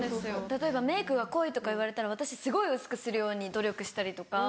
例えばメークが濃いとか言われたら私すごい薄くするように努力したりとか。